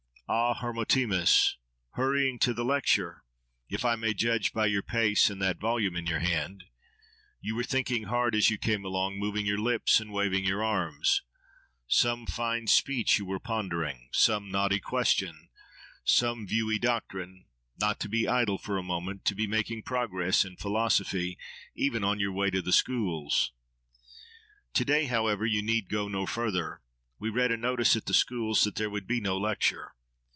— "Ah! Hermotimus! Hurrying to lecture! —if I may judge by your pace, and that volume in your hand. You were thinking hard as you came along, moving your lips and waving your arms. Some fine speech you were pondering, some knotty question, some viewy doctrine—not to be idle for a moment, to be making progress in philosophy, even on your way to the schools. To day, however, you need go no further. We read a notice at the schools that there would be no lecture.